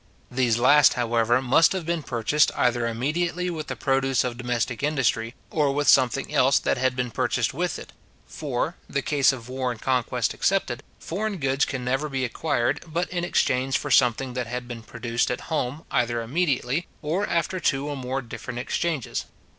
These last, however, must have been purchased, either immediately with the produce of domestic industry, or with something else that had been purchased with it; for, the case of war and conquest excepted, foreign goods can never be acquired, but in exchange for something that had been produced at home, either immediately, or after two or more different exchanges.